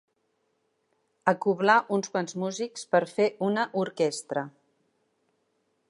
Acoblar uns quants músics per fer una orquestra.